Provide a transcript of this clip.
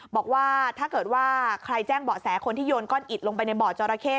บอกว่าถ้าเกิดว่าใครแจ้งเบาะแสคนที่โยนก้อนอิดลงไปในบ่อจราเข้